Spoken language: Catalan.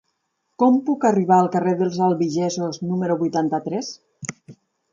Com puc arribar al carrer dels Albigesos número vuitanta-tres?